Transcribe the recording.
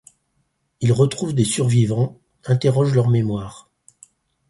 Il retrouve des survivants, interroge leur mémoire.